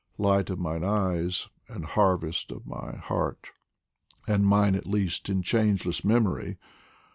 Light of mine eyes and harvest of my heart, And mine at least in changeless memory